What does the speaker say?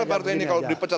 saya sederhana saja